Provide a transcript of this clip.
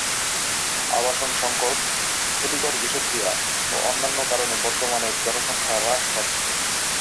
আবাসন সংকট, ক্ষতিকর বিষক্রিয়া ও অন্যান্য কারণে বর্তমান এর জনসংখ্যা হ্রাস পাচ্ছে।